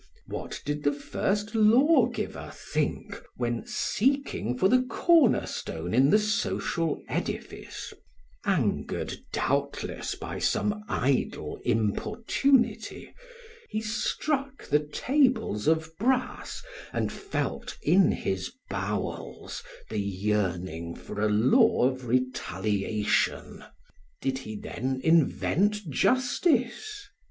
What did the first lawgiver think when, seeking for the corner stone in the social edifice, angered doubtless by some idle importunity, he struck the tables of brass and felt in his bowels the yearning for a law of retaliation? Did he then invent justice?